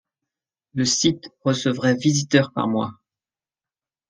Le site recevrait visiteurs par mois.